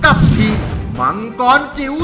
กับทีมมังกรจิ๋ว